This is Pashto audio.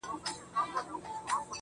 د ژوند خوارۍ كي يك تنها پرېږدې.